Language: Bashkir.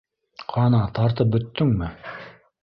— Ҡана, тартып бөттөңмө?